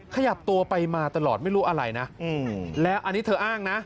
ขยับตัวไปมาตลอดไม่รู้อะไรนะแล้วอันนี้เธออ้างนะ